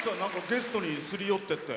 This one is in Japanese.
ゲストにすり寄っていって。